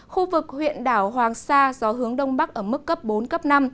khu vực huyện đảo hoàng sa gió hướng đông bắc ở mức cấp bốn cấp năm